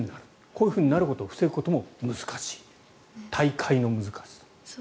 こういうふうになることを防ぐことも難しい退会の難しさ。